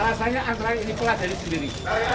alasannya antara ini pula dari sendiri